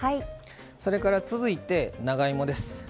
それから続いて、長芋です。